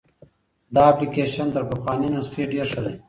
دا اپلیکیشن تر پخواني نسخه ډېر ښه دی.